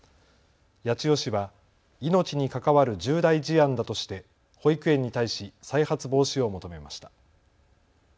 八千代市は命に関わる重大事案だとして保育園に対し再発防止を求めました。